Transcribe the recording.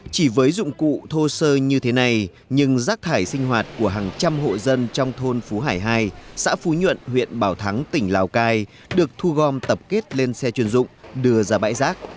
chỉ với dụng cụ thô sơ như thế này nhưng rác thải sinh hoạt của hàng trăm hộ dân trong thôn phú hải hai xã phú nhuận huyện bảo thắng tỉnh lào cai được thu gom tập kết lên xe chuyên dụng đưa ra bãi rác